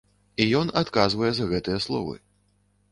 І ён адказвае за гэтыя словы.